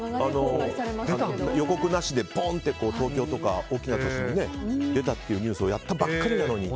予告なしで、ポンと東京とか大きな都市に出たっていうニュースをやったばっかりなのに。